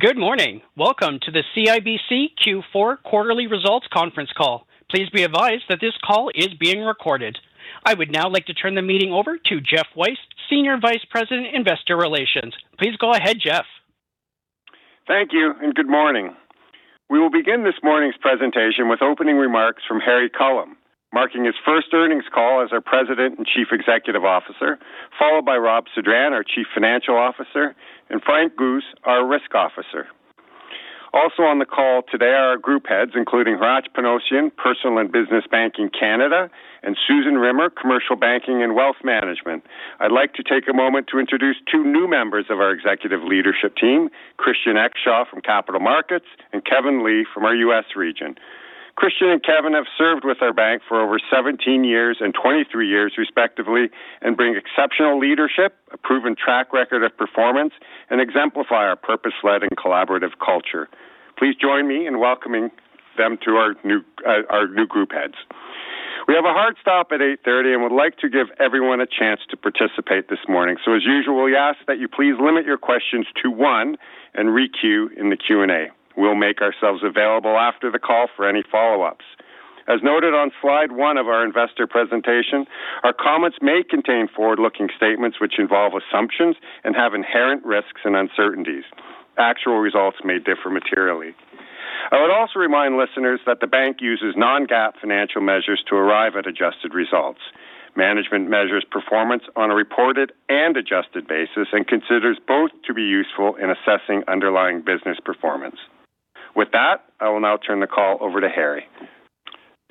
Good morning. Welcome to the CIBC Q4 Quarterly Results Conference call. Please be advised that this call is being recorded. I would now like to turn the meeting over to Geoff Weiss, Senior Vice President, Investor Relations. Please go ahead, Geoff. Thank you and good morning. We will begin this morning's presentation with opening remarks from Harry Culham, marking his first earnings call as our President and Chief Executive Officer, followed by Rob Sedran, our Chief Financial Officer, and Frank Guse, our Chief Risk Officer. Also on the call today are our Group Heads, including Hratch Panossian, Personal and Business Banking Canada, and Susan Rimmer, Commercial Banking and Wealth Management. I'd like to take a moment to introduce two new members of our Executive Leadership Team: Christian Exshaw from Capital Markets and Kevin Li from our U.S. Region. Christian and Kevin have served with our bank for over 17 years and 23 years, respectively, and bring exceptional leadership, a proven track record of performance, and exemplify our purpose-led and collaborative culture. Please join me in welcoming them as our new Group Heads. We have a hard stop at 8:30 A.M. and would like to give everyone a chance to participate this morning. So, as usual, we ask that you please limit your questions to one and re-queue in the Q&A. We'll make ourselves available after the call for any follow-ups. As noted on slide one of our investor presentation, our comments may contain forward-looking statements which involve assumptions and have inherent risks and uncertainties. Actual results may differ materially. I would also remind listeners that the bank uses non-GAAP financial measures to arrive at adjusted results. Management measures performance on a reported and adjusted basis and considers both to be useful in assessing underlying business performance. With that, I will now turn the call over to Harry.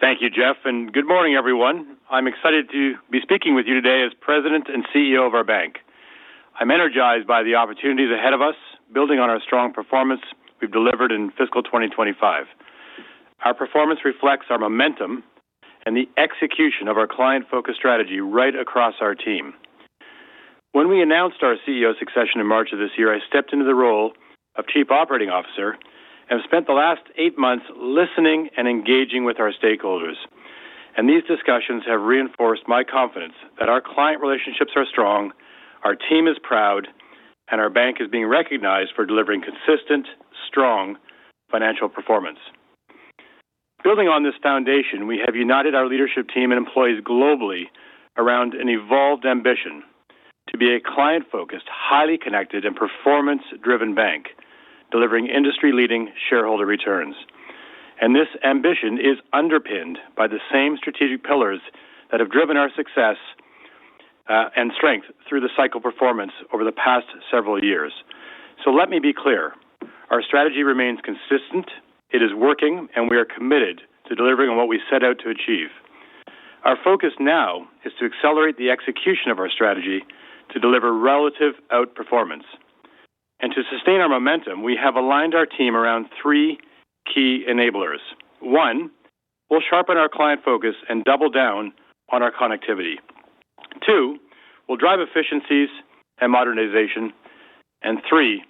Thank you, Geoff, and good morning, everyone. I'm excited to be speaking with you today as President and CEO of our bank. I'm energized by the opportunities ahead of us, building on our strong performance we've delivered in fiscal 2025. Our performance reflects our momentum and the execution of our client-focused strategy right across our team. When we announced our CEO succession in March of this year, I stepped into the role of Chief Operating Officer and have spent the last eight months listening and engaging with our stakeholders, and these discussions have reinforced my confidence that our client relationships are strong, our team is proud, and our bank is being recognized for delivering consistent, strong financial performance. Building on this foundation, we have united our leadership team and employees globally around an evolved ambition to be a client-focused, highly connected, and performance-driven bank, delivering industry-leading shareholder returns. This ambition is underpinned by the same strategic pillars that have driven our success and strength through the cycle performance over the past several years. So let me be clear: our strategy remains consistent, it is working, and we are committed to delivering on what we set out to achieve. Our focus now is to accelerate the execution of our strategy to deliver relative outperformance. To sustain our momentum, we have aligned our team around three key enablers. One, we'll sharpen our client focus and double down on our connectivity. Two, we'll drive efficiencies and modernization. And three,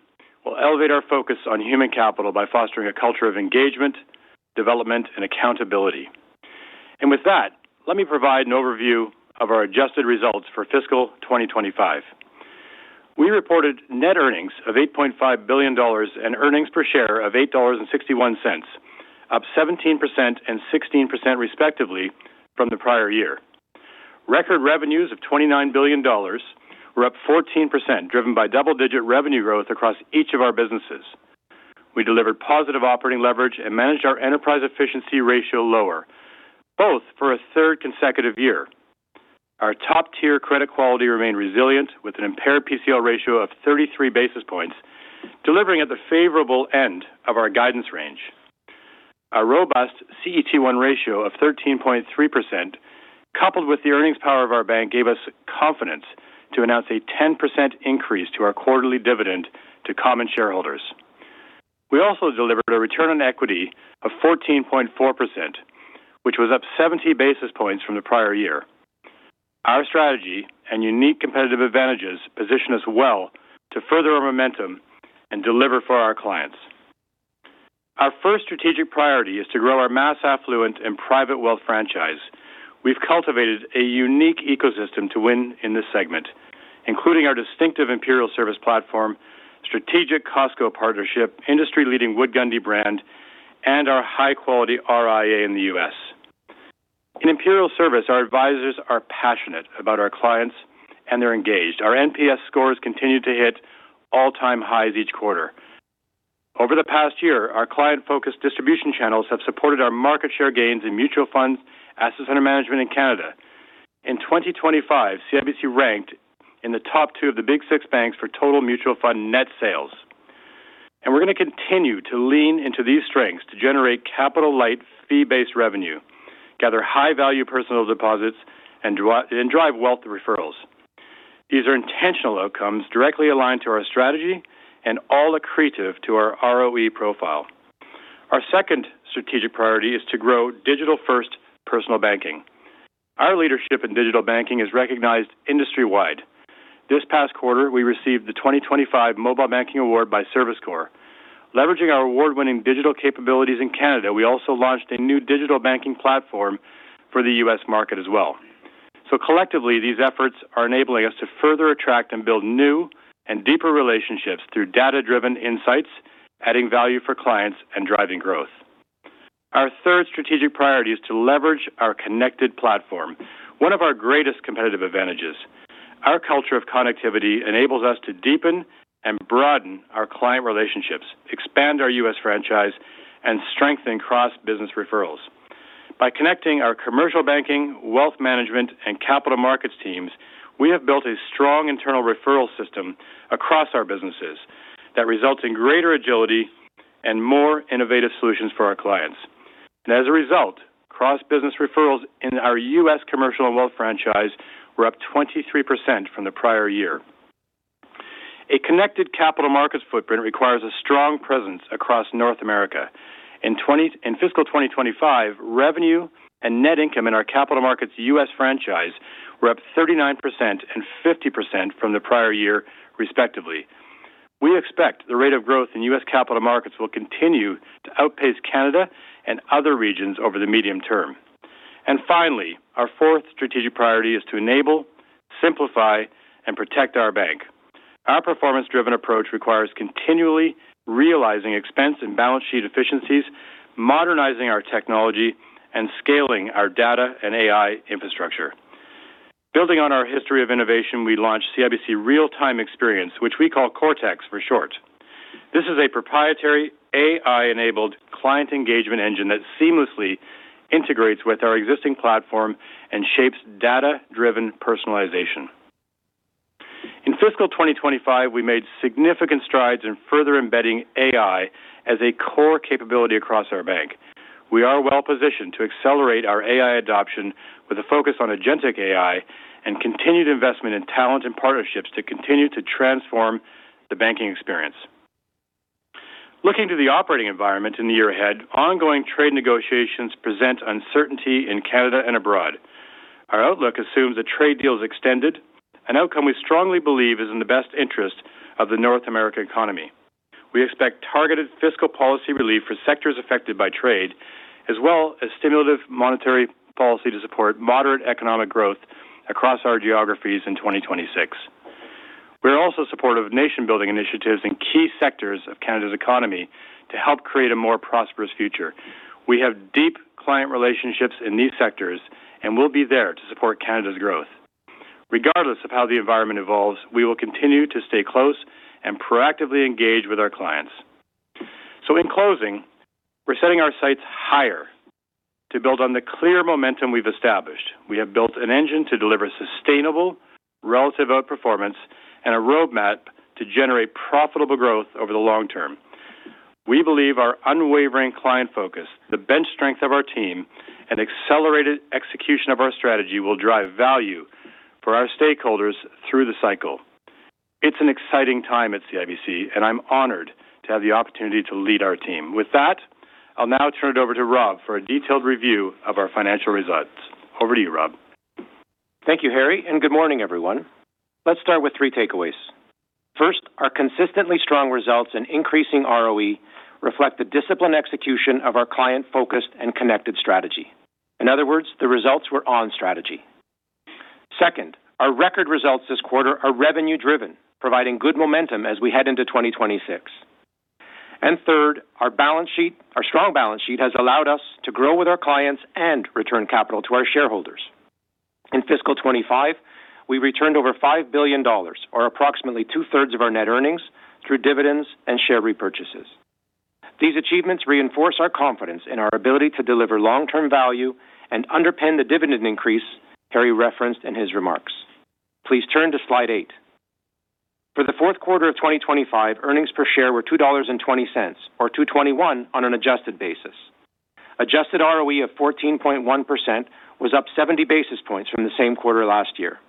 we'll elevate our focus on human capital by fostering a culture of engagement, development, and accountability. And with that, let me provide an overview of our adjusted results for fiscal 2025. We reported net earnings of 8.5 billion dollars and earnings per share of 8.61 dollars, up 17% and 16%, respectively, from the prior year. Record revenues of 29 billion dollars were up 14%, driven by double-digit revenue growth across each of our businesses. We delivered positive operating leverage and managed our enterprise efficiency ratio lower, both for a third consecutive year. Our top-tier credit quality remained resilient with an impaired PCL ratio of 33 basis points, delivering at the favorable end of our guidance range. Our robust CET1 ratio of 13.3%, coupled with the earnings power of our bank, gave us confidence to announce a 10% increase to our quarterly dividend to common shareholders. We also delivered a return on equity of 14.4%, which was up 70 basis points from the prior year. Our strategy and unique competitive advantages position us well to further our momentum and deliver for our clients. Our first strategic priority is to grow our mass affluent and private wealth franchise. We've cultivated a unique ecosystem to win in this segment, including our distinctive Imperial Service platform, strategic Costco partnership, industry-leading Wood Gundy brand, and our high-quality RIA in the U.S. In Imperial Service, our advisors are passionate about our clients and they're engaged. Our NPS scores continue to hit all-time highs each quarter. Over the past year, our client-focused distribution channels have supported our market share gains in mutual funds, asset management, and Canada. In 2025, CIBC ranked in the top two of the Big Six banks for total mutual fund net sales, and we're going to continue to lean into these strengths to generate capital-light, fee-based revenue, gather high-value personal deposits, and drive wealth referrals. These are intentional outcomes directly aligned to our strategy and all accretive to our ROE profile. Our second strategic priority is to grow digital-first personal banking. Our leadership in digital banking is recognized industry-wide. This past quarter, we received the 2025 Mobile Banking Award by Surviscor. Leveraging our award-winning digital capabilities in Canada, we also launched a new digital banking platform for the U.S. market as well. So collectively, these efforts are enabling us to further attract and build new and deeper relationships through data-driven insights, adding value for clients and driving growth. Our third strategic priority is to leverage our connected platform, one of our greatest competitive advantages. Our culture of connectivity enables us to deepen and broaden our client relationships, expand our U.S. franchise, and strengthen cross-business referrals. By connecting our Commercial Banking, Wealth Management, and Capital Markets teams, we have built a strong internal referral system across our businesses that results in greater agility and more innovative solutions for our clients. As a result, cross-business referrals in our U.S. Commercial and Wealth franchise were up 23% from the prior year. A connected Capital Markets footprint requires a strong presence across North America. In fiscal 2025, revenue and net income in our Capital Markets U.S. franchise were up 39% and 50% from the prior year, respectively. We expect the rate of growth in U.S. Capital Markets will continue to outpace Canada and other regions over the medium term. Finally, our fourth strategic priority is to enable, simplify, and protect our bank. Our performance-driven approach requires continually realizing expense and balance sheet efficiencies, modernizing our technology, and scaling our data and AI infrastructure. Building on our history of innovation, we launched CIBC Real-Time Experience, which we call CRTeX for short. This is a proprietary AI-enabled client engagement engine that seamlessly integrates with our existing platform and shapes data-driven personalization. In fiscal 2025, we made significant strides in further embedding AI as a core capability across our bank. We are well-positioned to accelerate our AI adoption with a focus on agentic AI and continued investment in talent and partnerships to continue to transform the banking experience. Looking to the operating environment in the year ahead, ongoing trade negotiations present uncertainty in Canada and abroad. Our outlook assumes that trade deals extended, an outcome we strongly believe is in the best interest of the North American economy. We expect targeted fiscal policy relief for sectors affected by trade, as well as stimulative monetary policy to support moderate economic growth across our geographies in 2026. We're also supportive of nation-building initiatives in key sectors of Canada's economy to help create a more prosperous future. We have deep client relationships in these sectors and will be there to support Canada's growth. Regardless of how the environment evolves, we will continue to stay close and proactively engage with our clients, so in closing, we're setting our sights higher to build on the clear momentum we've established. We have built an engine to deliver sustainable relative outperformance and a roadmap to generate profitable growth over the long term. We believe our unwavering client focus, the bench strength of our team, and accelerated execution of our strategy will drive value for our stakeholders through the cycle. It's an exciting time at CIBC, and I'm honored to have the opportunity to lead our team. With that, I'll now turn it over to Rob for a detailed review of our financial results. Over to you, Rob. Thank you, Harry, and good morning, everyone. Let's start with three takeaways. First, our consistently strong results and increasing ROE reflect the disciplined execution of our client-focused and connected strategy. In other words, the results were on strategy. Second, our record results this quarter are revenue-driven, providing good momentum as we head into 2026. And third, our balance sheet, our strong balance sheet, has allowed us to grow with our clients and return capital to our shareholders. In fiscal 2025, we returned over 5 billion dollars, or approximately two-thirds of our net earnings, through dividends and share repurchases. These achievements reinforce our confidence in our ability to deliver long-term value and underpin the dividend increase Harry referenced in his remarks. Please turn to slide eight. For the fourth quarter of 2025, earnings per share were 2.20 dollars, or 2.21 on an adjusted basis. Adjusted ROE of 14.1% was up 70 basis points from the same quarter last year.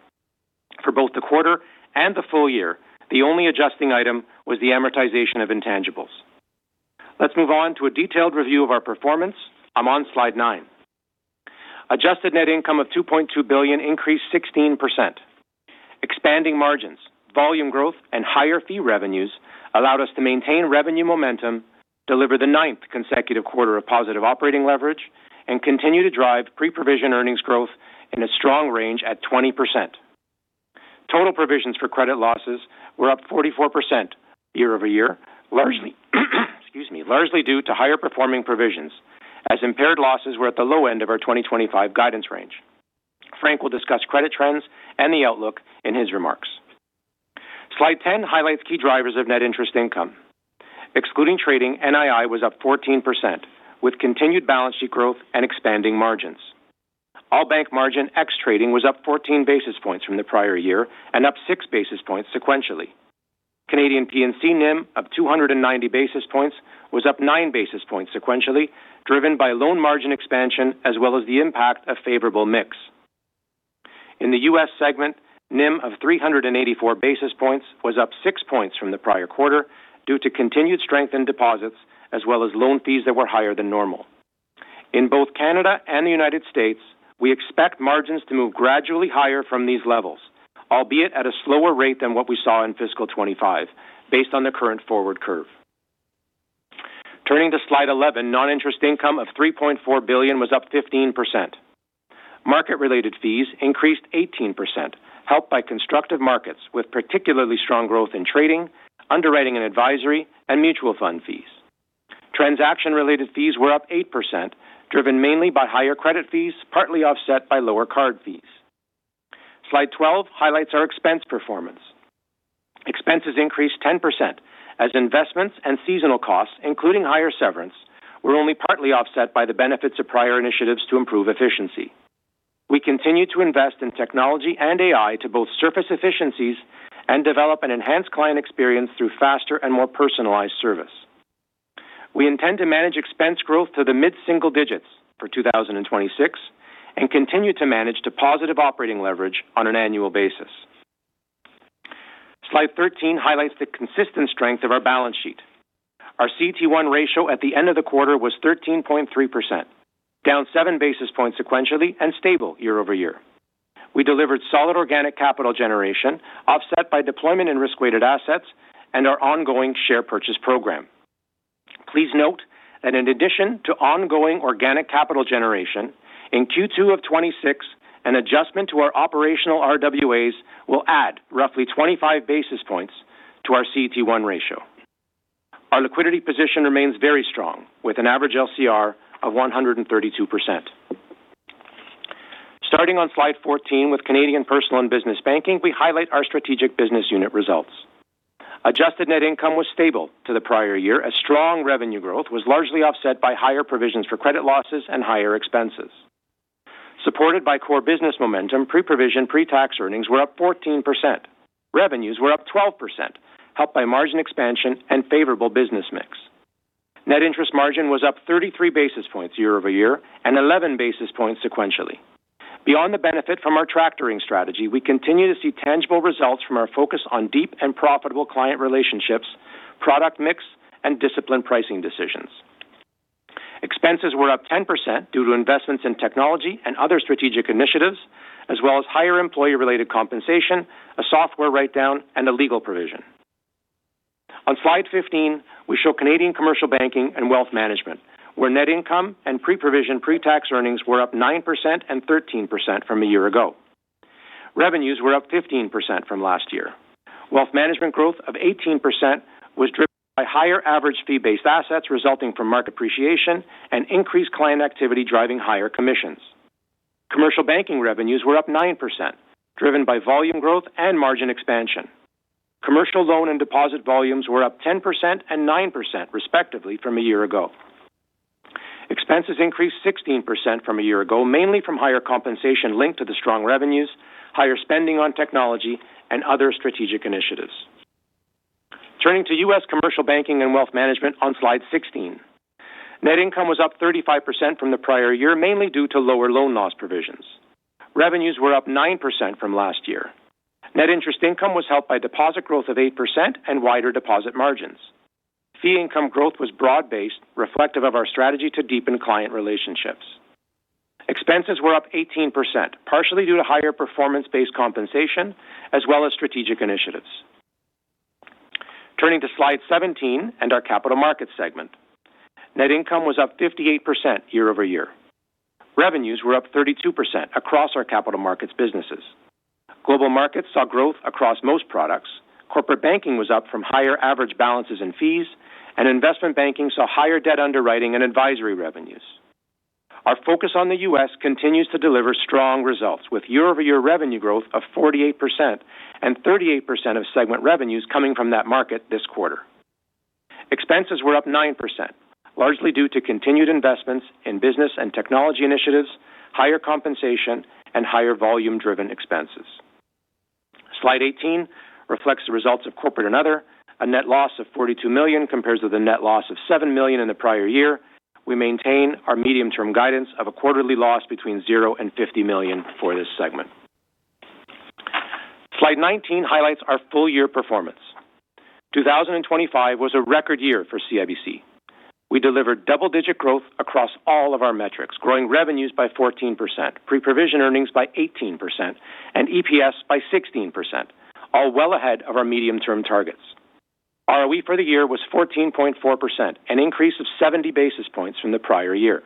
For both the quarter and the full year, the only adjusting item was the amortization of intangibles. Let's move on to a detailed review of our performance. I'm on slide nine. Adjusted net income of 2.2 billion increased 16%. Expanding margins, volume growth, and higher fee revenues allowed us to maintain revenue momentum, deliver the ninth consecutive quarter of positive operating leverage, and continue to drive pre-provision earnings growth in a strong range at 20%. Total provisions for credit losses were up 44% year-over-year, largely due to higher performing provisions, as impaired losses were at the low end of our 2025 guidance range. Frank will discuss credit trends and the outlook in his remarks. Slide 10 highlights key drivers of net interest income. Excluding trading, NII was up 14%, with continued balance sheet growth and expanding margins. All bank margin ex-trading was up 14 basis points from the prior year and up 6 basis points sequentially. Canadian P&C NIM of 290 basis points was up 9 basis points sequentially, driven by loan margin expansion as well as the impact of favorable mix. In the U.S. segment, NIM of 384 basis points was up 6 points from the prior quarter due to continued strength in deposits as well as loan fees that were higher than normal. In both Canada and the United States, we expect margins to move gradually higher from these levels, albeit at a slower rate than what we saw in fiscal 2025, based on the current forward curve. Turning to slide 11, non-interest income of $3.4 billion was up 15%. Market-related fees increased 18%, helped by constructive markets with particularly strong growth in trading, underwriting and advisory, and mutual fund fees. Transaction-related fees were up 8%, driven mainly by higher credit fees, partly offset by lower card fees. Slide 12 highlights our expense performance. Expenses increased 10% as investments and seasonal costs, including higher severance, were only partly offset by the benefits of prior initiatives to improve efficiency. We continue to invest in technology and AI to both surface efficiencies and develop an enhanced client experience through faster and more personalized service. We intend to manage expense growth to the mid-single digits for 2026 and continue to manage positive operating leverage on an annual basis. Slide 13 highlights the consistent strength of our balance sheet. Our CET1 ratio at the end of the quarter was 13.3%, down 7 basis points sequentially and stable year-over-year. We delivered solid organic capital generation, offset by deployment in risk-weighted assets and our ongoing share purchase program. Please note that in addition to ongoing organic capital generation, in Q2 of 2026, an adjustment to our operational RWAs will add roughly 25 basis points to our CET1 ratio. Our liquidity position remains very strong, with an average LCR of 132%. Starting on slide 14 with Canadian Personal and Business Banking, we highlight our strategic business unit results. Adjusted net income was stable to the prior year, as strong revenue growth was largely offset by higher provisions for credit losses and higher expenses. Supported by core business momentum, pre-provision pretax earnings were up 14%. Revenues were up 12%, helped by margin expansion and favorable business mix. Net interest margin was up 33 basis points year-over-year and 11 basis points sequentially. Beyond the benefit from our tractoring strategy, we continue to see tangible results from our focus on deep and profitable client relationships, product mix, and disciplined pricing decisions. Expenses were up 10% due to investments in technology and other strategic initiatives, as well as higher employee-related compensation, a software write-down, and a legal provision. On slide 15, we show Canadian Commercial Banking and Wealth Management, where net income and pre-provision pretax earnings were up 9% and 13% from a year ago. Revenues were up 15% from last year. Wealth management growth of 18% was driven by higher average fee-based assets resulting from market appreciation and increased client activity driving higher commissions. Commercial banking revenues were up 9%, driven by volume growth and margin expansion. Commercial loan and deposit volumes were up 10% and 9%, respectively, from a year ago. Expenses increased 16% from a year ago, mainly from higher compensation linked to the strong revenues, higher spending on technology, and other strategic initiatives. Turning to U.S. Commercial Banking and Wealth Management on slide 16, net income was up 35% from the prior year, mainly due to lower loan loss provisions. Revenues were up 9% from last year. Net interest income was helped by deposit growth of 8% and wider deposit margins. Fee income growth was broad-based, reflective of our strategy to deepen client relationships. Expenses were up 18%, partially due to higher performance-based compensation as well as strategic initiatives. Turning to slide 17 and our Capital Markets segment, net income was up 58% year-over-year. Revenues were up 32% across our Capital Markets businesses. Global Markets saw growth across most products. Corporate Banking was up from higher average balances and fees, and Investment Banking saw higher debt underwriting and advisory revenues. Our focus on the U.S. continues to deliver strong results, with year-over-year revenue growth of 48% and 38% of segment revenues coming from that market this quarter. Expenses were up 9%, largely due to continued investments in business and technology initiatives, higher compensation, and higher volume-driven expenses. Slide 18 reflects the results of Corporate and Other. A net loss of $42 million compares with a net loss of $7 million in the prior year. We maintain our medium-term guidance of a quarterly loss between $0 and $50 million for this segment. Slide 19 highlights our full-year performance. 2025 was a record year for CIBC. We delivered double-digit growth across all of our metrics, growing revenues by 14%, pre-provision earnings by 18%, and EPS by 16%, all well ahead of our medium-term targets. ROE for the year was 14.4%, an increase of 70 basis points from the prior year.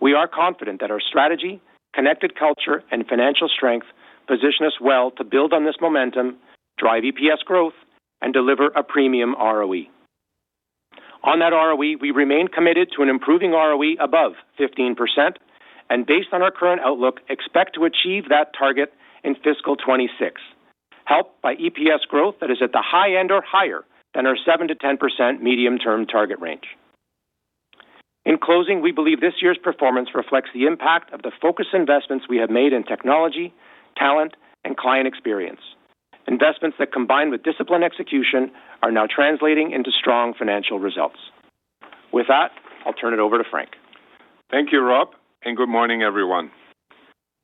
We are confident that our strategy, connected culture, and financial strength position us well to build on this momentum, drive EPS growth, and deliver a premium ROE. On that ROE, we remain committed to an improving ROE above 15%, and based on our current outlook, expect to achieve that target in fiscal 2026, helped by EPS growth that is at the high end or higher than our 7%-10% medium-term target range. In closing, we believe this year's performance reflects the impact of the focused investments we have made in technology, talent, and client experience. Investments that combine with discipline execution are now translating into strong financial results. With that, I'll turn it over to Frank. Thank you, Rob, and good morning, everyone.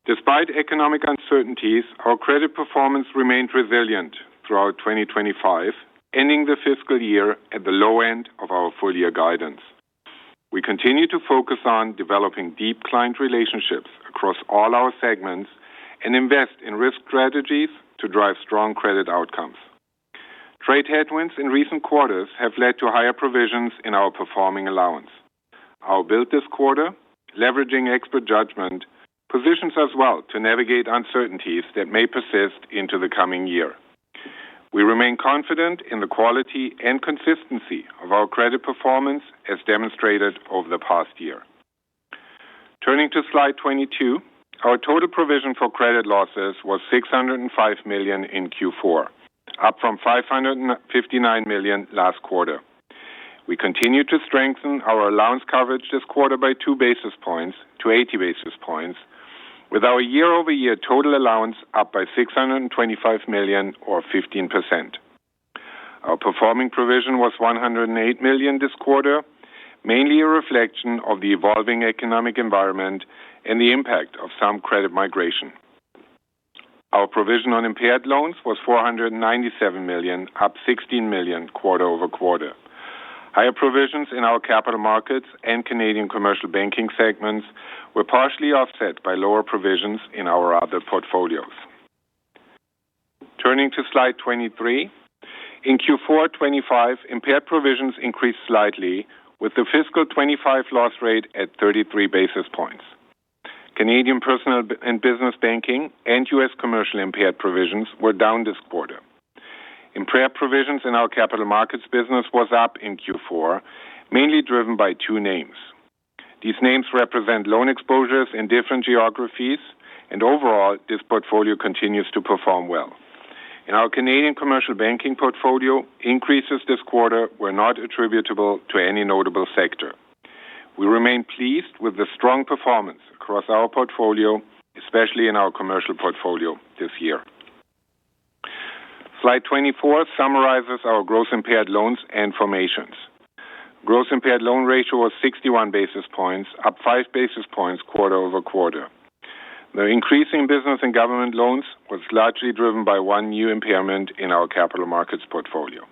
Despite economic uncertainties, our credit performance remained resilient throughout 2025, ending the fiscal year at the low end of our full-year guidance. We continue to focus on developing deep client relationships across all our segments and invest in risk strategies to drive strong credit outcomes. Trade headwinds in recent quarters have led to higher provisions in our performing allowance. Our build this quarter, leveraging expert judgment, positions us well to navigate uncertainties that may persist into the coming year. We remain confident in the quality and consistency of our credit performance, as demonstrated over the past year. Turning to slide 22, our total provision for credit losses was 605 million in Q4, up from 559 million last quarter. We continue to strengthen our allowance coverage this quarter by 2 basis points to 80 basis points, with our year-over-year total allowance up by 625 million, or 15%. Our performing provision was 108 million this quarter, mainly a reflection of the evolving economic environment and the impact of some credit migration. Our provision on impaired loans was 497 million, up 16 million quarter over quarter. Higher provisions in our Capital Markets and Canadian Commercial Banking segments were partially offset by lower provisions in our other portfolios. Turning to slide 23, in Q4 2025, impaired provisions increased slightly, with the fiscal 2025 loss rate at 33 basis points. Canadian Personal and Business Banking and U.S. commercial impaired provisions were down this quarter. Impaired provisions in our Capital Markets business were up in Q4, mainly driven by two names. These names represent loan exposures in different geographies, and overall, this portfolio continues to perform well. In our Canadian Commercial Banking portfolio, increases this quarter were not attributable to any notable sector. We remain pleased with the strong performance across our portfolio, especially in our commercial portfolio this year. Slide 24 summarizes our gross impaired loans and formations. Gross impaired loan ratio was 61 basis points, up 5 basis points quarter over quarter. The increase in business and government loans was largely driven by one new impairment in our Capital Markets portfolio.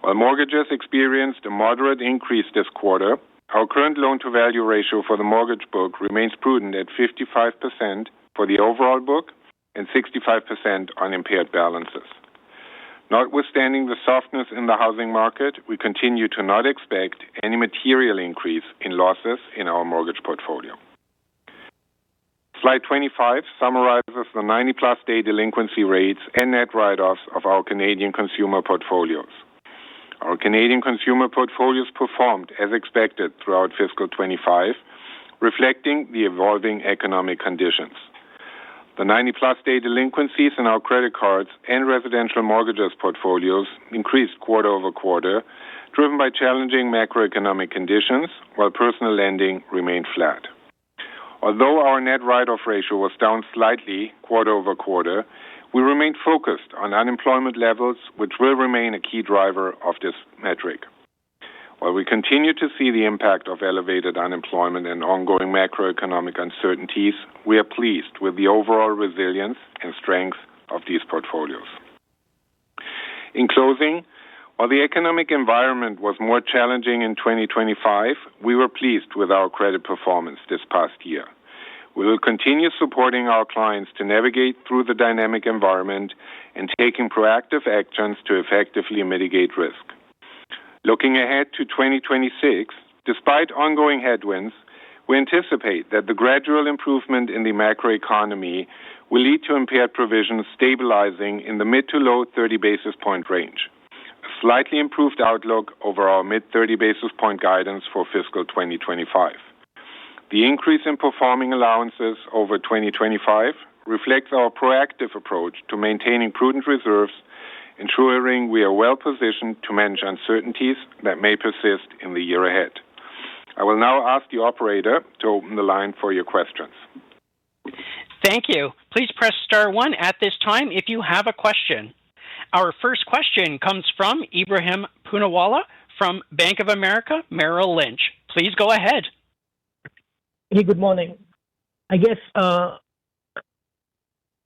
While mortgages experienced a moderate increase this quarter, our current loan-to-value ratio for the mortgage book remains prudent at 55% for the overall book and 65% on impaired balances. Notwithstanding the softness in the housing market, we continue to not expect any material increase in losses in our mortgage portfolio. Slide 25 summarizes the 90+ day delinquency rates and net write-offs of our Canadian consumer portfolios. Our Canadian consumer portfolios performed as expected throughout fiscal 2025, reflecting the evolving economic conditions. The 90+ day delinquencies in our credit cards and residential mortgages portfolios increased quarter over quarter, driven by challenging macroeconomic conditions, while personal lending remained flat. Although our net write-off ratio was down slightly quarter over quarter, we remained focused on unemployment levels, which will remain a key driver of this metric. While we continue to see the impact of elevated unemployment and ongoing macroeconomic uncertainties, we are pleased with the overall resilience and strength of these portfolios. In closing, while the economic environment was more challenging in 2025, we were pleased with our credit performance this past year. We will continue supporting our clients to navigate through the dynamic environment and taking proactive actions to effectively mitigate risk. Looking ahead to 2026, despite ongoing headwinds, we anticipate that the gradual improvement in the macroeconomy will lead to impaired provisions stabilizing in the mid-to-low 30 basis point range, a slightly improved outlook over our mid-30 basis point guidance for fiscal 2025. The increase in performing allowances over 2025 reflects our proactive approach to maintaining prudent reserves, ensuring we are well-positioned to manage uncertainties that may persist in the year ahead. I will now ask the operator to open the line for your questions. Thank you. Please press star one at this time if you have a question. Our first question comes from Ebrahim Poonawala from Bank of America Merrill Lynch. Please go ahead. Hey, good morning. I guess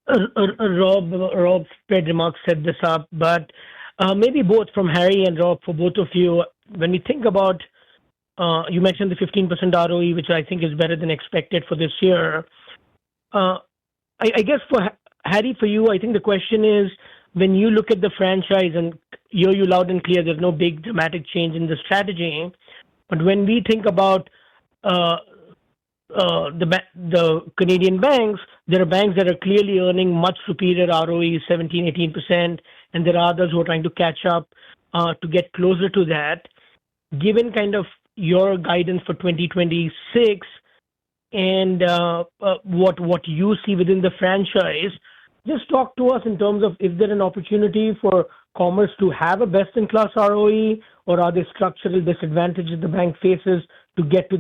Rob's trade remarks set this up, but maybe both from Harry and Rob, for both of you, when we think about you mentioned the 15% ROE, which I think is better than expected for this year. I guess, Harry, for you, I think the question is, when you look at the franchise, and you hear you loud and clear, there's no big dramatic change in the strategy. But when we think about the Canadian banks, there are banks that are clearly earning much superior ROE, 17%-18%, and there are others who are trying to catch up to get closer to that. Given kind of your guidance for 2026 and what you see within the franchise, just talk to us in terms of if there's an opportunity for commercial to have a best-in-class ROE, or are there structural disadvantages the bank faces to get to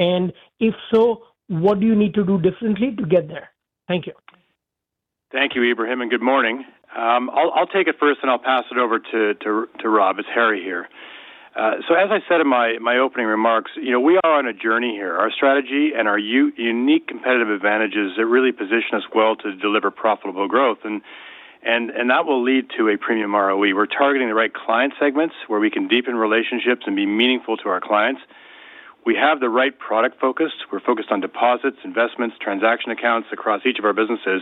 that point? And if so, what do you need to do differently to get there? Thank you. Thank you, Ebrahim, and good morning. I'll take it first, and I'll pass it over to Rob. It's Harry here. So, as I said in my opening remarks, we are on a journey here. Our strategy and our unique competitive advantages really position us well to deliver profitable growth, and that will lead to a premium ROE. We're targeting the right client segments where we can deepen relationships and be meaningful to our clients. We have the right product focus. We're focused on deposits, investments, transaction accounts across each of our businesses.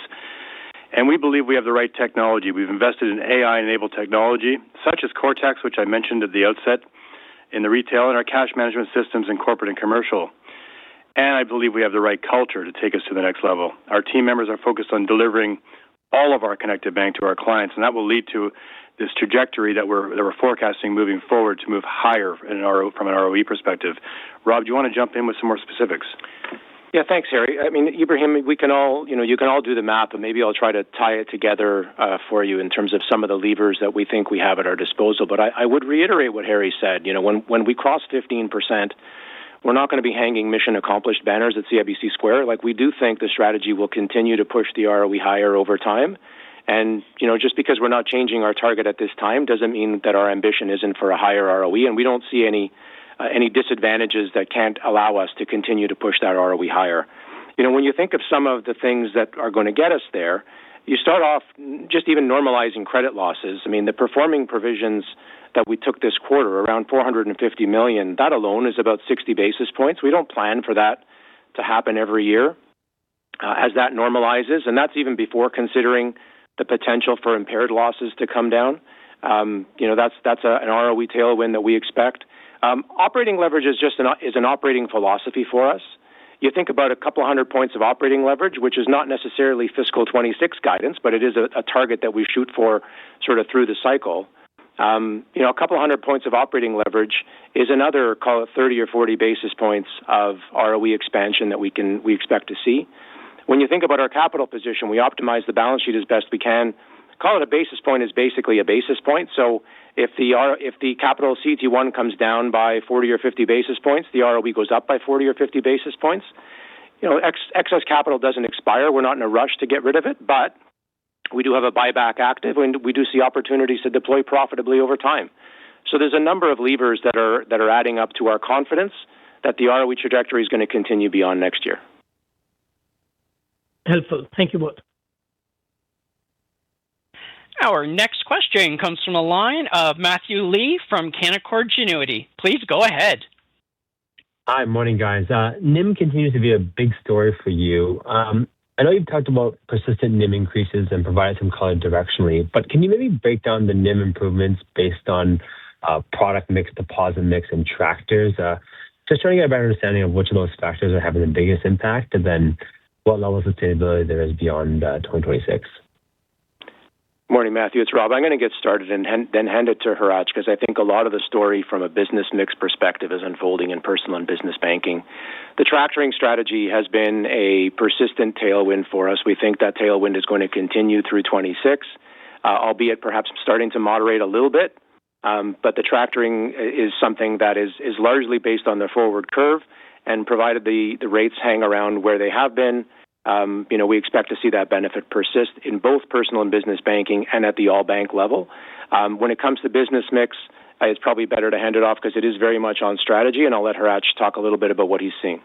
And we believe we have the right technology. We've invested in AI-enabled technology, such as CRTeX, which I mentioned at the outset in the retail, and our cash management systems in corporate and commercial. And I believe we have the right culture to take us to the next level. Our team members are focused on delivering all of our connected bank to our clients, and that will lead to this trajectory that we're forecasting moving forward to move higher from an ROE perspective. Rob, do you want to jump in with some more specifics? Yeah, thanks, Harry. I mean, Ebrahim, you can all do the math, and maybe I'll try to tie it together for you in terms of some of the levers that we think we have at our disposal. But I would reiterate what Harry said. When we cross 15%, we're not going to be hanging mission-accomplished banners at CIBC Square. We do think the strategy will continue to push the ROE higher over time. And just because we're not changing our target at this time doesn't mean that our ambition isn't for a higher ROE, and we don't see any disadvantages that can't allow us to continue to push that ROE higher. When you think of some of the things that are going to get us there, you start off just even normalizing credit losses. I mean, the performing provisions that we took this quarter, around 450 million, that alone is about 60 basis points. We don't plan for that to happen every year as that normalizes, and that's even before considering the potential for impaired losses to come down. That's an ROE tailwind that we expect. Operating leverage is an operating philosophy for us. You think about a couple hundred points of operating leverage, which is not necessarily fiscal 2026 guidance, but it is a target that we shoot for sort of through the cycle. A couple hundred points of operating leverage is another, call it, 30 or 40 basis points of ROE expansion that we expect to see. When you think about our capital position, we optimize the balance sheet as best we can. Call it a basis point is basically a basis point. So if the capital CET1 comes down by 40 or 50 basis points, the ROE goes up by 40 or 50 basis points. Excess capital doesn't expire. We're not in a rush to get rid of it, but we do have a buyback active, and we do see opportunities to deploy profitably over time. So there's a number of levers that are adding up to our confidence that the ROE trajectory is going to continue beyond next year. Helpful. Thank you both. Our next question comes from a line of Matthew Lee from Canaccord Genuity. Please go ahead. Hi, morning, guys. NIM continues to be a big story for you. I know you've talked about persistent NIM increases and provided some color directionally, but can you maybe break down the NIM improvements based on product mix, deposit mix, and tractoring? Just trying to get a better understanding of which of those factors are having the biggest impact, and then what level of sustainability there is beyond 2026. Morning, Matthew. It's Rob. I'm going to get started and then hand it to Hratch because I think a lot of the story from a business mix perspective is unfolding in personal and business banking. The tractoring strategy has been a persistent tailwind for us. We think that tailwind is going to continue through 2026, albeit perhaps starting to moderate a little bit. The tractoring is something that is largely based on the forward curve, and provided the rates hang around where they have been, we expect to see that benefit persist in both personal and business banking and at the all-bank level. When it comes to business mix, it's probably better to hand it off because it is very much on strategy, and I'll let Hratch talk a little bit about what he's seeing.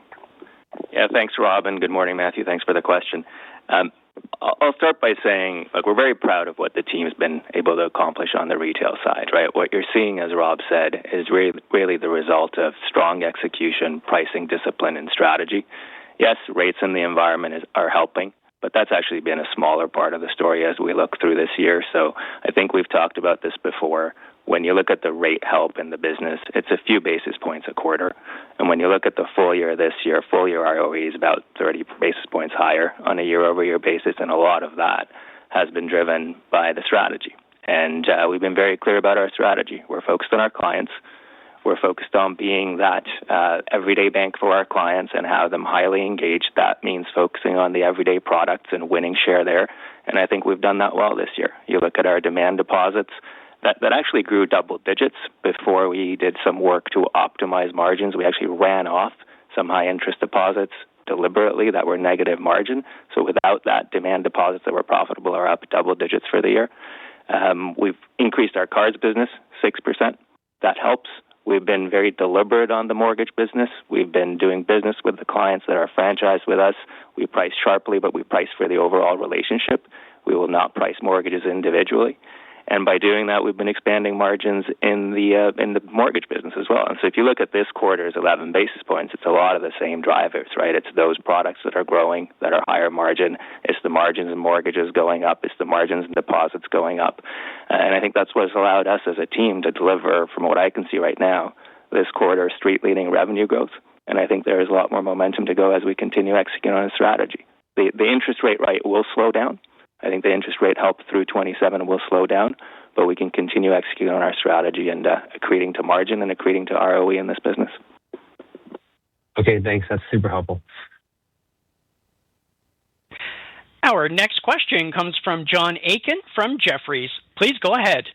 Yeah, thanks, Rob, and good morning, Matthew. Thanks for the question. I'll start by saying we're very proud of what the team has been able to accomplish on the retail side, right? What you're seeing, as Rob said, is really the result of strong execution, pricing, discipline, and strategy. Yes, rates in the environment are helping, but that's actually been a smaller part of the story as we look through this year. I think we've talked about this before. When you look at the rate help in the business, it's a few basis points a quarter. And when you look at the full year this year, full year ROE is about 30 basis points higher on a year-over-year basis, and a lot of that has been driven by the strategy. And we've been very clear about our strategy. We're focused on our clients. We're focused on being that everyday bank for our clients and have them highly engaged. That means focusing on the everyday products and winning share there, and I think we've done that well this year. You look at our demand deposits, that actually grew double digits before we did some work to optimize margins. We actually ran off some high-interest deposits deliberately that were negative margin, so without that, demand deposits that were profitable are up double digits for the year. We've increased our cards business 6%. That helps. We've been very deliberate on the mortgage business. We've been doing business with the clients that are franchised with us. We price sharply, but we price for the overall relationship. We will not price mortgages individually, and by doing that, we've been expanding margins in the mortgage business as well. If you look at this quarter's 11 basis points, it's a lot of the same drivers, right? It's those products that are growing, that are higher margin. It's the margins in mortgages going up. It's the margins in deposits going up. I think that's what has allowed us as a team to deliver, from what I can see right now, this quarter, street-leading revenue growth. I think there is a lot more momentum to go as we continue executing on the strategy. The interest rate will slow down. I think the interest rate tailwind through 2027 will slow down, but we can continue executing on our strategy and accreting to margin and accreting to ROE in this business. Okay, thanks. That's super helpful. Our next question comes from John Aiken from Jefferies. Please go ahead.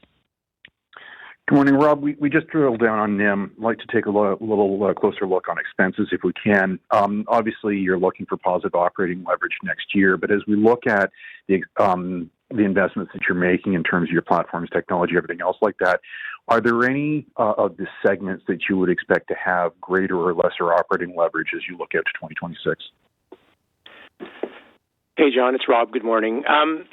Good morning, Rob. We just drilled down on NIM. I'd like to take a little closer look on expenses if we can. Obviously, you're looking for positive operating leverage next year. But as we look at the investments that you're making in terms of your platforms, technology, everything else like that, are there any of the segments that you would expect to have greater or lesser operating leverage as you look at 2026? Hey, John, it's Rob. Good morning.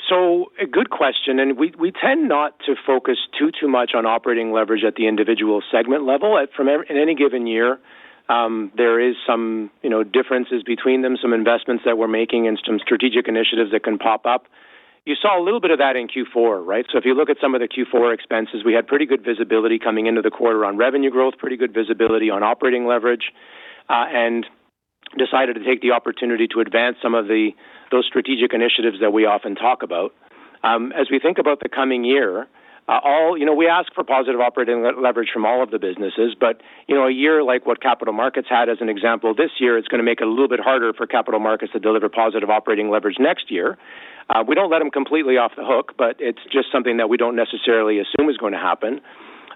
So a good question, and we tend not to focus too, too much on operating leverage at the individual segment level. In any given year, there are some differences between them, some investments that we're making and some strategic initiatives that can pop up. You saw a little bit of that in Q4, right? So if you look at some of the Q4 expenses, we had pretty good visibility coming into the quarter on revenue growth, pretty good visibility on operating leverage, and decided to take the opportunity to advance some of those strategic initiatives that we often talk about. As we think about the coming year, we ask for positive operating leverage from all of the businesses, but a year like what Capital Markets had as an example this year, it's going to make it a little bit harder for Capital Markets to deliver positive operating leverage next year. We don't let them completely off the hook, but it's just something that we don't necessarily assume is going to happen.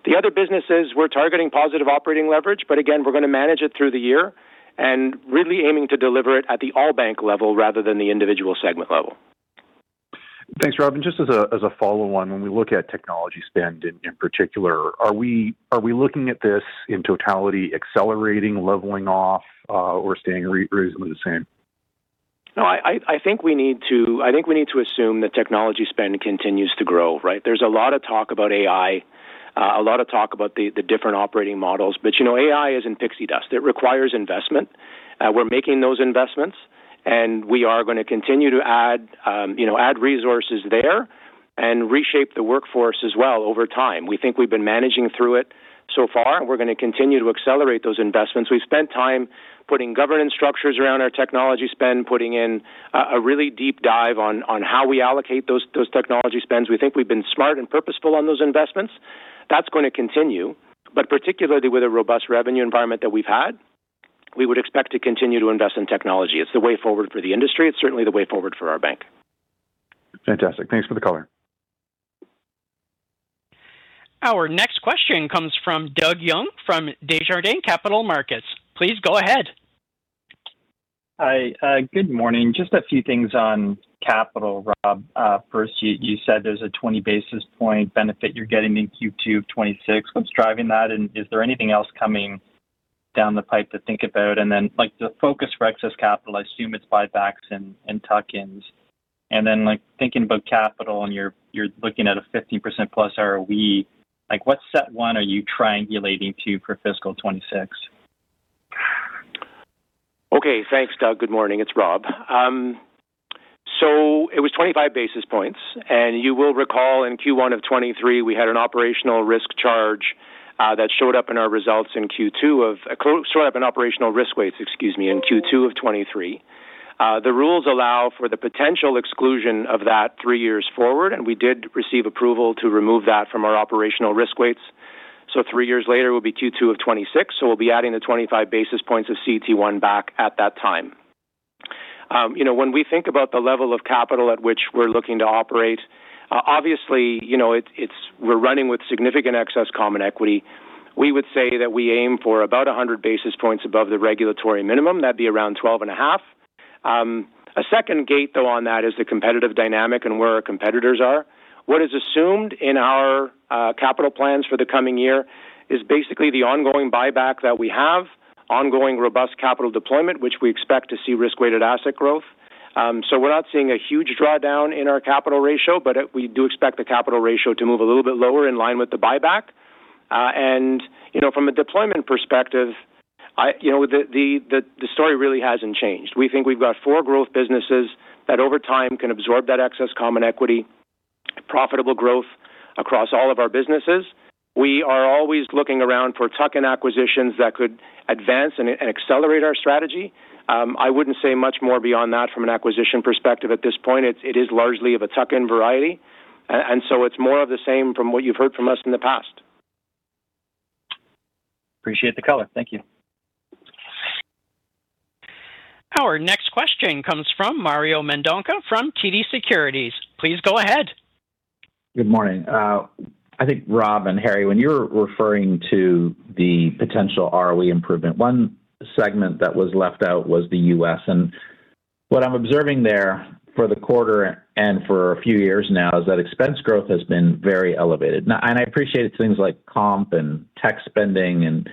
The other businesses, we're targeting positive operating leverage, but again, we're going to manage it through the year and really aiming to deliver it at the all-bank level rather than the individual segment level. Thanks, Rob, and just as a follow-on, when we look at technology spend in particular, are we looking at this in totality, accelerating, leveling off, or staying reasonably the same? No, I think we need to assume that technology spend continues to grow, right? There's a lot of talk about AI, a lot of talk about the different operating models, but AI isn't in pixie dust. It requires investment. We're making those investments, and we are going to continue to add resources there and reshape the workforce as well over time. We think we've been managing through it so far, and we're going to continue to accelerate those investments. We've spent time putting governance structures around our technology spend, putting in a really deep dive on how we allocate those technology spends. We think we've been smart and purposeful on those investments. That's going to continue, but particularly with a robust revenue environment that we've had, we would expect to continue to invest in technology. It's the way forward for the industry. It's certainly the way forward for our bank. Fantastic. Thanks for the color. Our next question comes from Doug Young from Desjardins Capital Markets. Please go ahead. Hi, good morning. Just a few things on capital, Rob. First, you said there's a 20 basis point benefit you're getting in Q2 of 2026. What's driving that? And is there anything else coming down the pipe to think about? And then the focus for excess capital, I assume it's buybacks and tuck-ins. And then thinking about capital, and you're looking at a 15% plus ROE, what CET1 are you triangulating to for fiscal 2026? Okay, thanks, Doug. Good morning. It's Rob. So it was 25 basis points. And you will recall in Q1 of 2023, we had an operational risk charge that showed up in our results in operational risk weights, excuse me, in Q2 of 2023. The rules allow for the potential exclusion of that three years forward, and we did receive approval to remove that from our operational risk weights. So three years later will be Q2 of 2026. So we'll be adding the 25 basis points of CET1 back at that time. When we think about the level of capital at which we're looking to operate, obviously, we're running with significant excess common equity. We would say that we aim for about 100 basis points above the regulatory minimum. That'd be around 12.5. A second gate, though, on that is the competitive dynamic and where our competitors are. What is assumed in our capital plans for the coming year is basically the ongoing buyback that we have, ongoing robust capital deployment, which we expect to see risk-weighted asset growth. We're not seeing a huge drawdown in our capital ratio, but we do expect the capital ratio to move a little bit lower in line with the buyback. From a deployment perspective, the story really hasn't changed. We think we've got four growth businesses that over time can absorb that excess common equity, profitable growth across all of our businesses. We are always looking around for tuck-in acquisitions that could advance and accelerate our strategy. I wouldn't say much more beyond that from an acquisition perspective at this point. It is largely of a tuck-in variety, and so it's more of the same from what you've heard from us in the past. Appreciate the color. Thank you. Our next question comes from Mario Mendonca from TD Securities. Please go ahead. Good morning. I think, Rob and Harry, when you were referring to the potential ROE improvement, one segment that was left out was the U.S. And what I'm observing there for the quarter and for a few years now is that expense growth has been very elevated. And I appreciate things like comp and tech spending,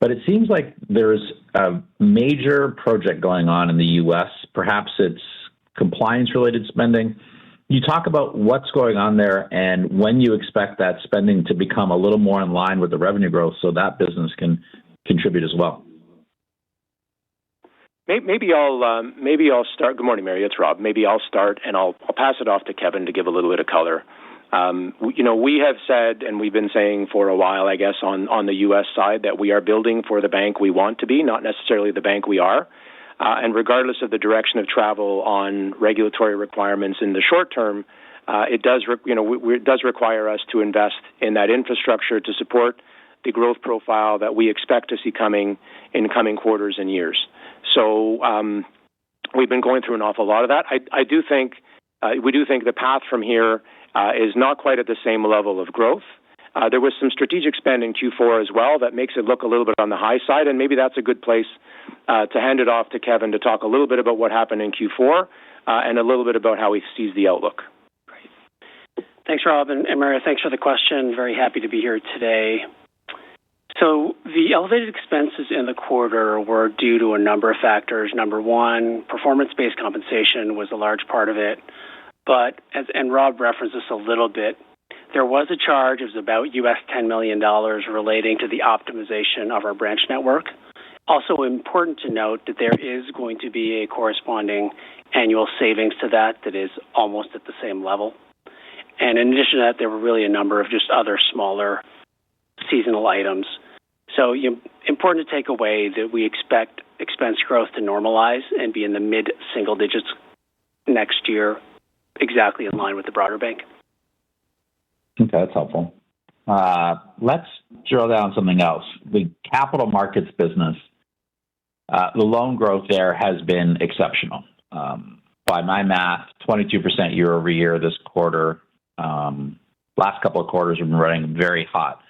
but it seems like there's a major project going on in the U.S. Perhaps it's compliance-related spending. Can you talk about what's going on there and when you expect that spending to become a little more in line with the revenue growth so that business can contribute as well? Maybe I'll start. Good morning, Mario. It's Rob. Maybe I'll start, and I'll pass it off to Kevin to give a little bit of color. We have said, and we've been saying for a while, I guess, on the U.S. side that we are building for the bank we want to be, not necessarily the bank we are, and regardless of the direction of travel on regulatory requirements in the short term, it does require us to invest in that infrastructure to support the growth profile that we expect to see coming in coming quarters and years, so we've been going through an awful lot of that. We do think the path from here is not quite at the same level of growth. There was some strategic spend in Q4 as well that makes it look a little bit on the high side, and maybe that's a good place to hand it off to Kevin to talk a little bit about what happened in Q4 and a little bit about how he sees the outlook. Great. Thanks, Rob. And Mario, thanks for the question. Very happy to be here today. So the elevated expenses in the quarter were due to a number of factors. Number one, performance-based compensation was a large part of it. And Rob referenced this a little bit. There was a charge. It was about $10 million relating to the optimization of our branch network. Also, important to note that there is going to be a corresponding annual savings to that that is almost at the same level. And in addition to that, there were really a number of just other smaller seasonal items. So important to take away that we expect expense growth to normalize and be in the mid-single digits next year, exactly in line with the broader bank. Okay, that's helpful. Let's drill down something else. The Capital Markets business, the loan growth there has been exceptional. By my math, 22% year-over-year this quarter. Last couple of quarters have been running very hot.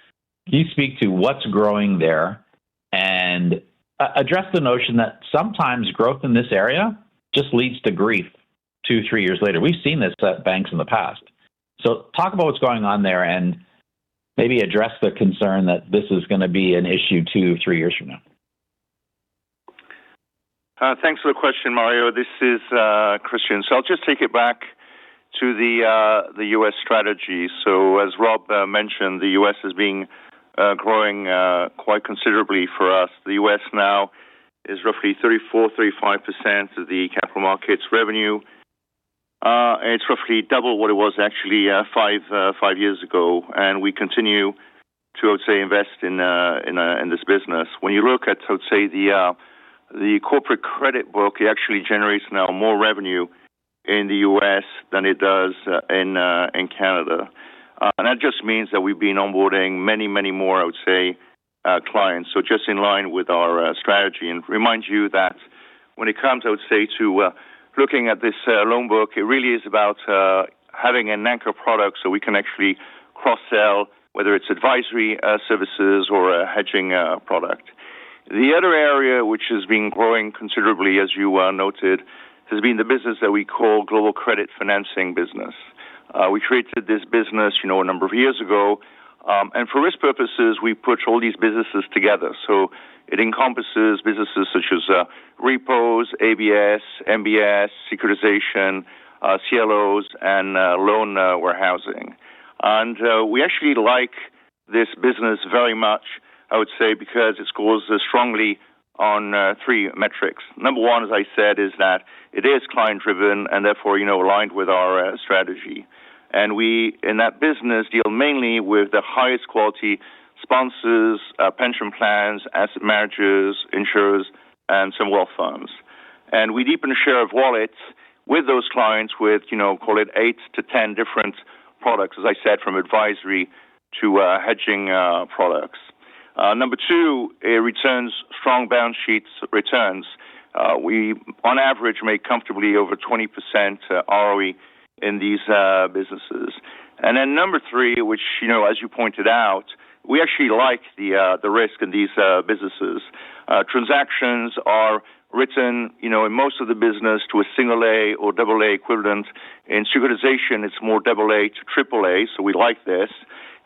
Can you speak to what's growing there and address the notion that sometimes growth in this area just leads to grief two, three years later? We've seen this at banks in the past. So talk about what's going on there and maybe address the concern that this is going to be an issue two, three years from now. Thanks for the question, Mario. This is Christian. So I'll just take it back to the U.S. strategy. So as Rob mentioned, the U.S. is being growing quite considerably for us. The U.S. now is roughly 34%-35% of the Capital Markets revenue. It's roughly double what it was actually five years ago, and we continue to, I would say, invest in this business. When you look at, I would say, the corporate credit book, it actually generates now more revenue in the U.S. than it does in Canada. That just means that we've been onboarding many, many more, I would say, clients. So just in line with our strategy. And remind you that when it comes, I would say, to looking at this loan book, it really is about having an anchor product so we can actually cross-sell, whether it's advisory services or a hedging product. The other area, which has been growing considerably, as you noted, has been the business that we call Global Credit Financing business. We created this business a number of years ago and for risk purposes, we put all these businesses together. It encompasses businesses such as repos, ABS, MBS, securitization, CLOs, and loan warehousing and we actually like this business very much, I would say, because it's called strongly on three metrics. Number one, as I said, is that it is client-driven and therefore aligned with our strategy. In that business deal mainly with the highest quality sponsors, pension plans, asset managers, insurers, and sovereign wealth funds and we deepen share of wallet with those clients with, call it, 8-10 different products, as I said, from advisory to hedging products. Number two, it returns strong balance sheets returns. We, on average, make comfortably over 20% ROE in these businesses. And then number three, which, as you pointed out, we actually like the risk in these businesses. Transactions are written in most of the business to a A or AA equivalent. In securitization, it's more AA to AAA. So we like this.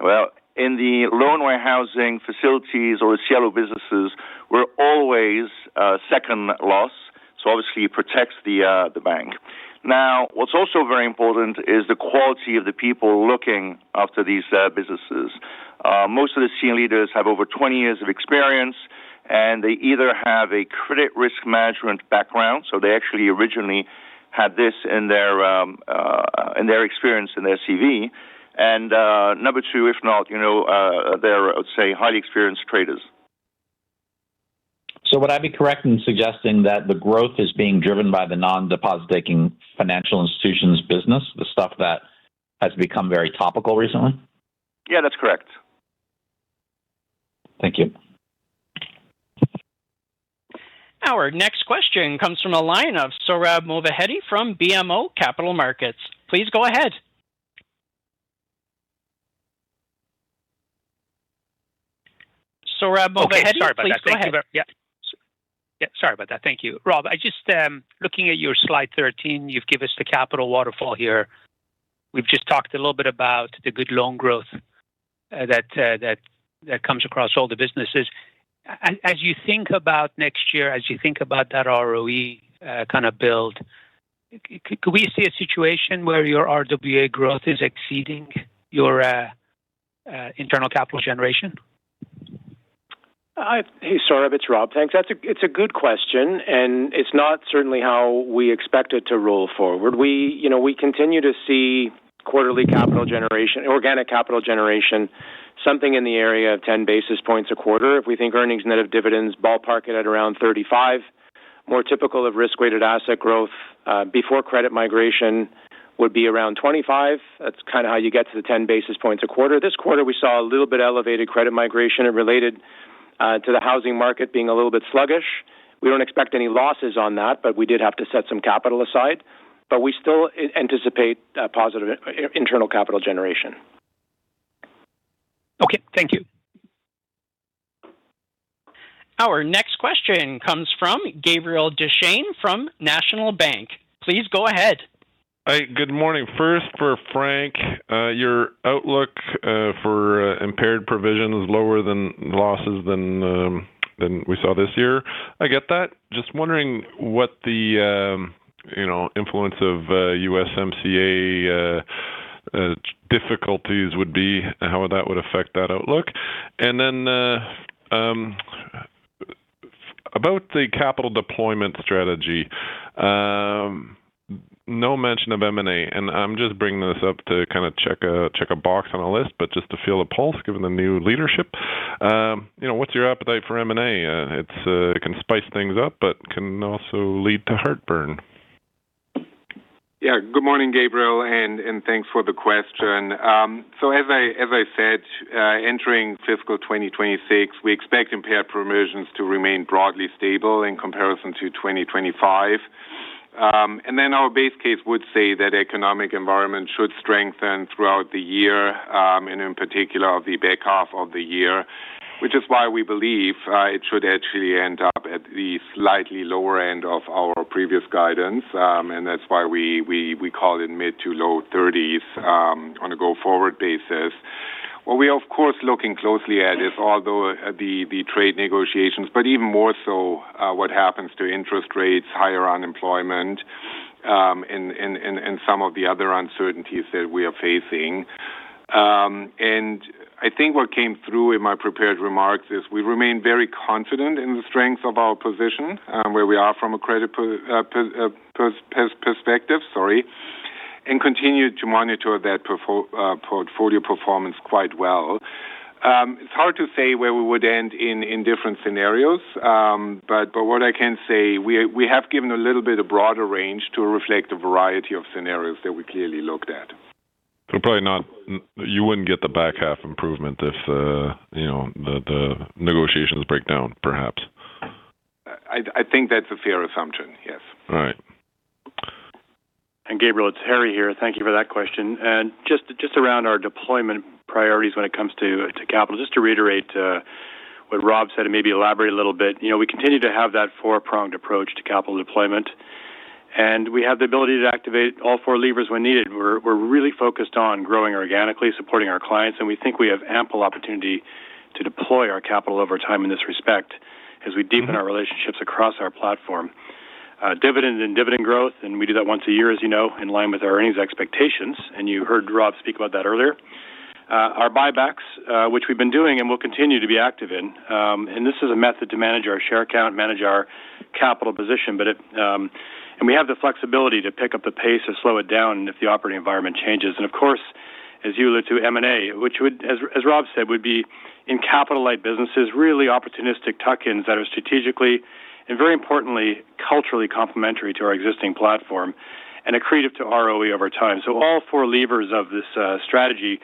Well, in the loan warehousing facilities or the CLO businesses, we're always second loss. Obviously, it protects the bank. Now, what's also very important is the quality of the people looking after these businesses. Most of the senior leaders have over 20 years of experience, and they either have a credit risk management background, so they actually originally had this in their experience in their CV. And number two, if not, they're, I would say, highly experienced traders. So would I be correct in suggesting that the growth is being driven by the non-deposit-taking financial institutions business, the stuff that has become very topical recently? Yeah, that's correct. Thank you. Our next question comes from Sohrab Movahedi from BMO Capital Markets. Please go ahead. Sohrab Movahedi, please go ahead. Yeah, sorry about that. Thank you. Rob, I'm just looking at your slide 13. You've given us the capital waterfall here. We've just talked a little bit about the good loan growth that comes across all the businesses. As you think about next year, as you think about that ROE kind of build, could we see a situation where your RWA growth is exceeding your internal capital generation? Hey, Sohrab, it's Rob. Thanks. It's a good question, and it's not certainly how we expect it to roll forward. We continue to see quarterly capital generation, organic capital generation, something in the area of 10 basis points a quarter. If we think earnings net of dividends, ballpark it at around 35. More typical of risk-weighted asset growth before credit migration would be around 25. That's kind of how you get to the 10 basis points a quarter. This quarter, we saw a little bit elevated credit migration. It related to the housing market being a little bit sluggish. We don't expect any losses on that, but we did have to set some capital aside. But we still anticipate positive internal capital generation. Okay, thank you. Our next question comes from Gabriel Dechaine from National Bank. Please go ahead. Hi, good morning. First, for Frank, your outlook for impaired provisions is lower than losses we saw this year. I get that. Just wondering what the influence of USMCA difficulties would be and how that would affect that outlook. About the capital deployment strategy, no mention of M&A. And I'm just bringing this up to kind of check a box on a list, but just to feel a pulse given the new leadership. What's your appetite for M&A? It can spice things up, but can also lead to heartburn. Yeah, good morning, Gabriel, and thanks for the question. So as I said, entering fiscal 2026, we expect impaired provisions to remain broadly stable in comparison to 2025. And then our base case would say that economic environment should strengthen throughout the year, and in particular, the back half of the year, which is why we believe it should actually end up at the slightly lower end of our previous guidance. That's why we call it mid-to-low 30s on a go-forward basis. What we, of course, are looking closely at is all the trade negotiations, but even more so what happens to interest rates, higher unemployment, and some of the other uncertainties that we are facing. I think what came through in my prepared remarks is we remain very confident in the strength of our position where we are from a credit perspective, sorry, and continue to monitor that portfolio performance quite well. It's hard to say where we would end in different scenarios, but what I can say, we have given a little bit of broader range to reflect a variety of scenarios that we clearly looked at. So probably not, you wouldn't get the back half improvement if the negotiations break down, perhaps. I think that's a fair assumption, yes. All right. Gabriel, it's Harry here. Thank you for that question. Just around our deployment priorities when it comes to capital, just to reiterate what Rob said and maybe elaborate a little bit, we continue to have that four-pronged approach to capital deployment, and we have the ability to activate all four levers when needed. We're really focused on growing organically, supporting our clients, and we think we have ample opportunity to deploy our capital over time in this respect as we deepen our relationships across our platform. Dividend and dividend growth, and we do that once a year, as you know, in line with our earnings expectations. You heard Rob speak about that earlier. Our buybacks, which we've been doing and will continue to be active in, and this is a method to manage our share count, manage our capital position, and we have the flexibility to pick up the pace or slow it down if the operating environment changes, and of course, as you alluded to, M&A, which, as Rob said, would be in capital-light businesses, really opportunistic tuck-ins that are strategically and very importantly, culturally complementary to our existing platform and accretive to ROE over time, so all four levers of this strategy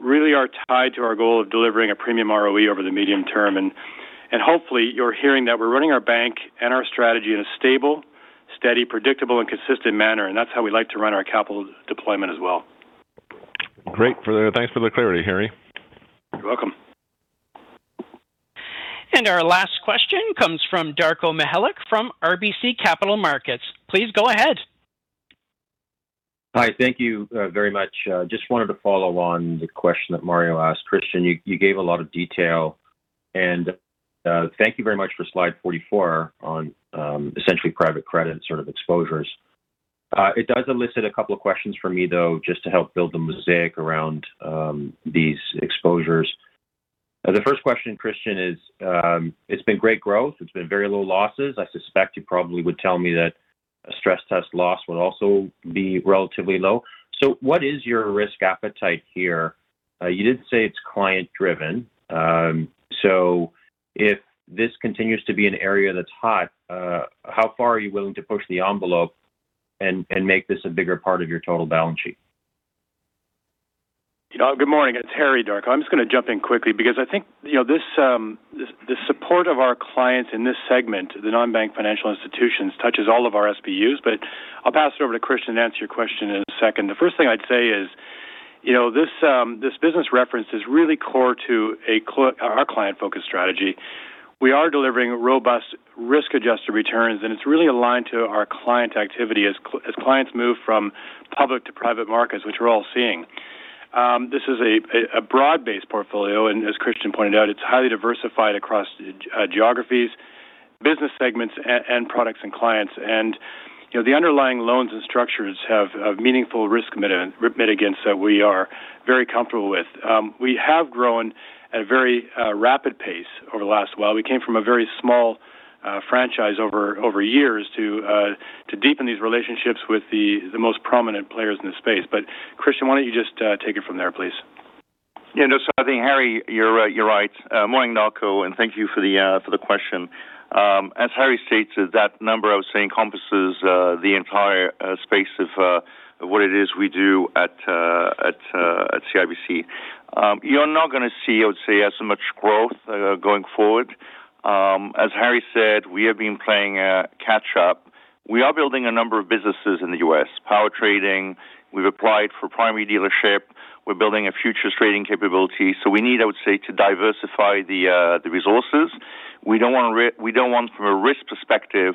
really are tied to our goal of delivering a premium ROE over the medium term, and hopefully, you're hearing that we're running our bank and our strategy in a stable, steady, predictable, and consistent manner, and that's how we like to run our capital deployment as well. Great. Thanks for the clarity, Harry. You're welcome. Our last question comes from Darko Mihelic from RBC Capital Markets. Please go ahead. Hi, thank you very much. Just wanted to follow on the question that Mario asked. Christian, you gave a lot of detail, and thank you very much for slide 44 on essentially private credit sort of exposures. It does elicit a couple of questions from me, though, just to help build the mosaic around these exposures. The first question, Christian, is it's been great growth. It's been very low losses. I suspect you probably would tell me that a stress test loss would also be relatively low. What is your risk appetite here? You did say it's client-driven. If this continues to be an area that's hot, how far are you willing to push the envelope and make this a bigger part of your total balance sheet? Good morning. It's Harry, Darko. I'm just going to jump in quickly because I think the support of our clients in this segment, the non-bank financial institutions, touches all of our SBUs, but I'll pass it over to Christian to answer your question in a second. The first thing I'd say is this business reference is really core to our client-focused strategy. We are delivering robust risk-adjusted returns, and it's really aligned to our client activity as clients move from public to private markets, which we're all seeing. This is a broad-based portfolio, and as Christian pointed out, it's highly diversified across geographies, business segments, and products and clients. And the underlying loans and structures have meaningful risk mitigants that we are very comfortable with. We have grown at a very rapid pace over the last while. We came from a very small franchise over years to deepen these relationships with the most prominent players in the space. But Christian, why don't you just take it from there, please? Yeah, no, so I think, Harry, you're right. Morning, Darko, and thank you for the question. As Harry states, that number, I would say, encompasses the entire space of what it is we do at CIBC. You're not going to see, I would say, as much growth going forward. As Harry said, we have been playing a catch-up. We are building a number of businesses in the U.S., power trading. We've applied for primary dealership. We're building a futures trading capability. So we need, I would say, to diversify the resources. We don't want from a risk perspective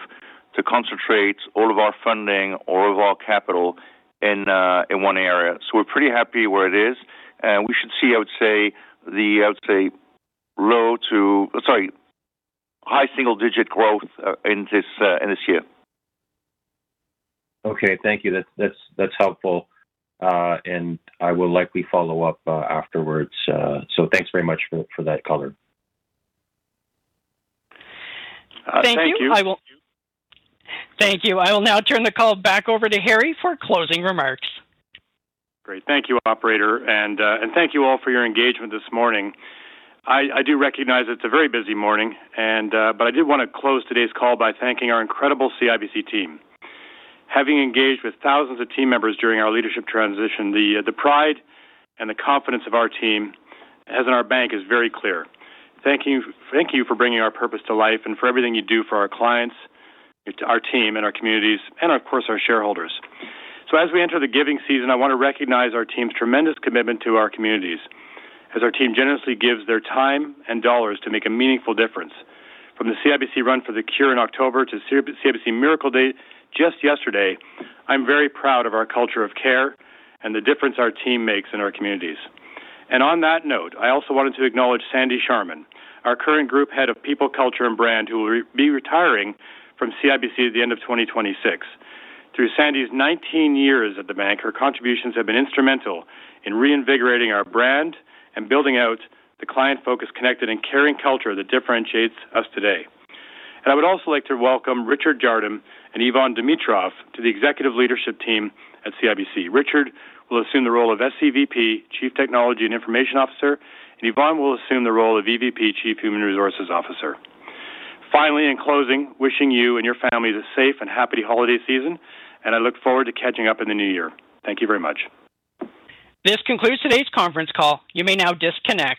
to concentrate all of our funding or all of our capital in one area. So we're pretty happy where it is. And we should see, I would say, the, I would say, low to, sorry, high single-digit growth in this year. Okay, thank you. That's helpful. And I will likely follow up afterwards. So thanks very much for that color. Thank you. Thank you. Thank you. I will now turn the call back over to Harry for closing remarks. Great. Thank you, Operator, and thank you all for your engagement this morning. I do recognize it's a very busy morning, but I did want to close today's call by thanking our incredible CIBC team. Having engaged with thousands of team members during our leadership transition, the pride and the confidence of our team in our bank is very clear. Thank you for bringing our purpose to life and for everything you do for our clients, our team, and our communities, and of course, our shareholders, so as we enter the giving season, I want to recognize our team's tremendous commitment to our communities as our team generously gives their time and dollars to make a meaningful difference. From the CIBC Run for the Cure in October to CIBC Miracle Day just yesterday, I'm very proud of our culture of care and the difference our team makes in our communities. And on that note, I also wanted to acknowledge Sandy Sharman, our current Group Head of People, Culture and Brand, who will be retiring from CIBC at the end of 2026. Through Sandy's 19 years at the bank, her contributions have been instrumental in reinvigorating our brand and building out the client-focused, connected, and caring culture that differentiates us today. And I would also like to welcome Richard Jardim and Yvonne Dimitroff to the executive leadership team at CIBC. Richard will assume the role of SEVP, Chief Technology and Information Officer, and Yvonne will assume the role of EVP, Chief Human Resources Officer. Finally, in closing, wishing you and your family a safe and happy holiday season, and I look forward to catching up in the new year. Thank you very much. This concludes today's conference call. You may now disconnect.